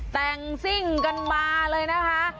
แต่งซิ่งกันมาเลยนะคะ